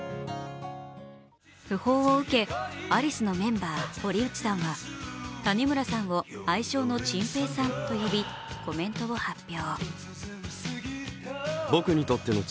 訃報を受けアリスのメンバー、堀内さんは谷村さんを愛称のチンペイさんと呼び、コメントを発表。